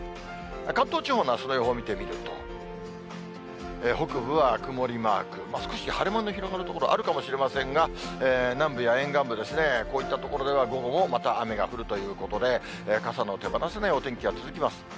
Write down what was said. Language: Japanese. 関東地方のあすの予報見てみると、北部は曇りマーク、少し晴れ間の広がる所、あるかもしれませんが、南部や沿岸部ですね、こういった所では午後もまた雨が降るということで、傘の手放せないお天気が続きます。